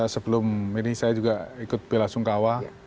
sebelum ini saya juga ikut bela sungkawa